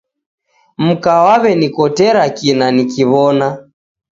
Mka waw'enikotera kina nikiw'ona.